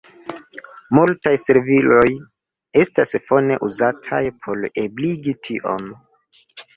Multaj serviloj estas fone uzataj por ebligi tion.